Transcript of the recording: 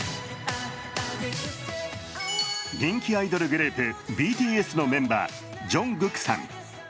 人気アイドルグループＢＴＳのメンバー、ＪＵＮＧＫＯＯＫさん。